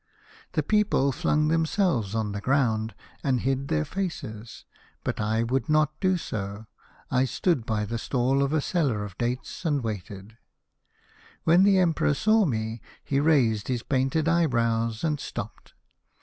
The people flung themselves on the ground and hid their faces, but I would not do so. I stood by the stall ID I A House of Pomegranates. of a seller of dates and waited. When the Emperor saw me, he raised his painted eye brows and stopped.